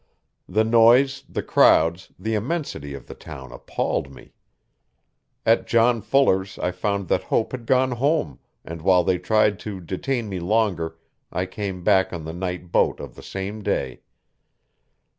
The noise, the crowds, the immensity of the town appalled me. At John Fuller's I found that Hope had gone home and while they tried to detain me longer I came back on the night boat of the same day.